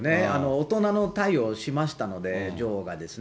大人の対応しましたので、女王がですね。